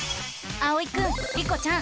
あおいくんリコちゃん